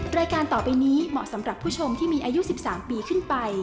รายการต่อไปนี้เหมาะสำหรับผู้ชมที่มีอายุ๑๓ปีขึ้นไป